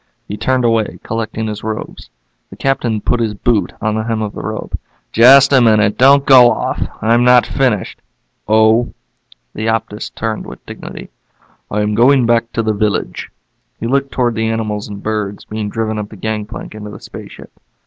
He turned away, collecting his robes. The Captain put his boot on the hem of the robe. "Just a minute. Don't go off. I'm not finished." "Oh?" The Optus turned with dignity. "I am going back to the village." He looked toward the animals and birds being driven up the gangplank into the spaceship.